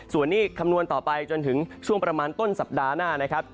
ส่วนนี้คำนวณต่อไปจนถึงช่วงประมาณต้นสัปดาห์หน้านะครับ